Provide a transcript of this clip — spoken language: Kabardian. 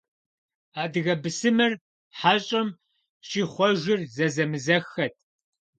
Адыгэ бысымыр хьэщӀэм щихъуэжыр зэзэмызэххэт.